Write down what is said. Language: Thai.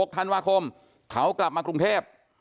ธันวาคมเขากลับมากรุงเทพ